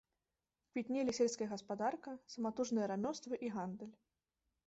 Квітнелі сельская гаспадарка, саматужныя рамёствы і гандаль.